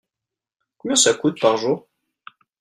Combien ça coûte par jour ?